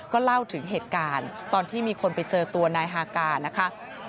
เล่าถึงเหตุการณ์ตอนที่มีคนไปเจอตัวนายฮากานะคะ